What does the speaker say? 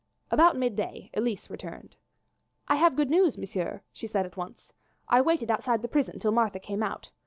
About mid day Elise returned. "I have good news, monsieur," she said at once. "I waited outside the prison till Martha came out.